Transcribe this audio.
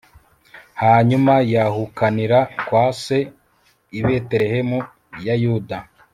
hanyuma yahukanira kwa se i betelehemu ya yuda